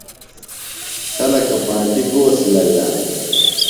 خلکہ پانٹیۡ گو سِلہ وِیانہ ؟